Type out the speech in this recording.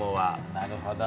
なるほど。